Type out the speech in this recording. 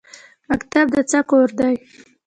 مکتب د څه کور دی؟